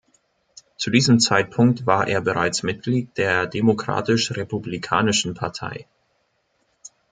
Zu diesem Zeitpunkt war er bereits Mitglied der Demokratisch-Republikanischen Partei.